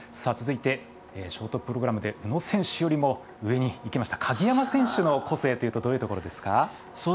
続いて、ショートプログラムで宇野選手よりも上にいきました鍵山選手の個性というとどういうところですか？